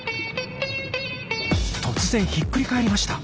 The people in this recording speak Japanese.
突然ひっくり返りました。